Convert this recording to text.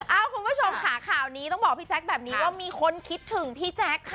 คุณผู้ชมค่ะข่าวนี้ต้องบอกพี่แจ๊คแบบนี้ว่ามีคนคิดถึงพี่แจ๊คค่ะ